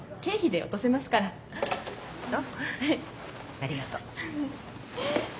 ありがとう。